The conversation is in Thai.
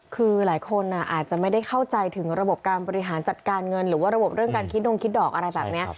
คือหลายคนอาจจะไม่ได้เข้าใจถึงระบบการบริหารจัดการเงินหรือว่าระบบเรื่องการคิดดงคิดดอกอะไรแบบนี้